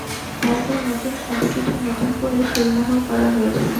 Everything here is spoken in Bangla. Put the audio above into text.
তারপর নতুন সাদা পিঠে নতুন করে সিলমোহর করা হয়েছে।